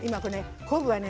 昆布はね